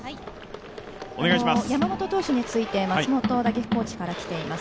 山本投手について、打撃コーチから聞いています。